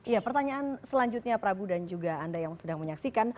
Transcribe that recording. ya pertanyaan selanjutnya prabu dan juga anda yang sedang menyaksikan